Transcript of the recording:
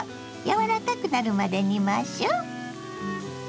柔らかくなるまで煮ましょう。